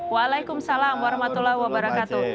waalaikumsalam warahmatullahi wabarakatuh